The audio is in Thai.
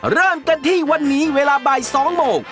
เริ่มกันที่วันนี้เวลาบ่าย๒โมง